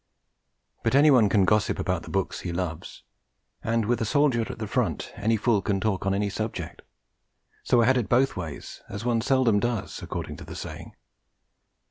But any one can gossip about the books he loves, and with a soldier at the front any fool could talk on any topic. So I had it both ways, as one seldom does, according to the saying.